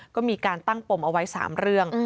ก็มีการตั้งปมเอาไว้๓เรื่อง